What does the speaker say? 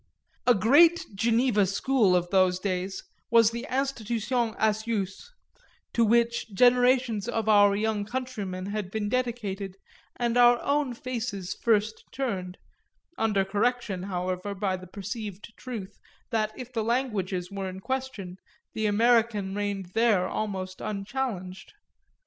A great Geneva school of those days was the Institution Haccius, to which generations of our young countrymen had been dedicated and our own faces first turned under correction, however, by the perceived truth that if the languages were in question the American reigned there almost unchallenged.